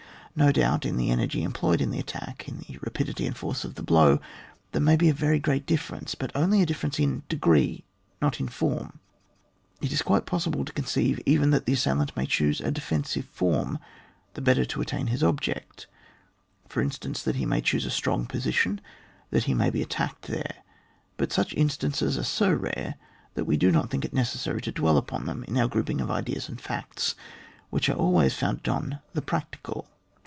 No doubt, in the energy employed in the attack, in the rapidity and force of the blow, there may be a great difference, but only a difference in decree, not in form. — It is quite possible to conceive even that the assailant may choose a defensive form, the better to at tain his object ; for instance, that he may choose a strong position, that he may be attacked there ; but such instances are so rare that we do not think it necessary to dwell upon them in our grouping of ideas and facts, which are always founded on the practical.